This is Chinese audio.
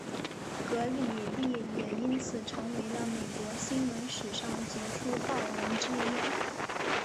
格里利也因此成为了美国新闻史上杰出报人之一。